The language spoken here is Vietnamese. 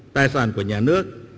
tài sản của nhà nước